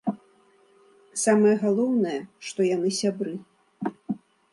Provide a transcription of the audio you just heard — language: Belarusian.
Самае галоўнае, што яны сябры.